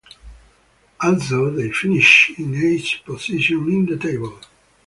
Also they finished in eighth position in the table.